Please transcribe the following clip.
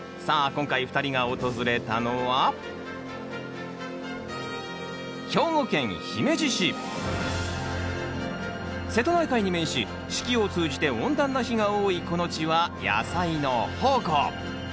今回２人が訪れたのは瀬戸内海に面し四季を通じて温暖な日が多いこの地は野菜の宝庫。